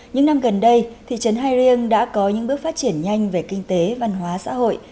những năm gần đây thị trấn hai riêng đã có những bước phát triển nhanh về kinh tế văn hóa xã hội